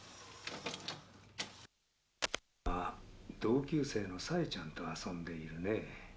「今同級生の佐江ちゃんと遊んでいるね」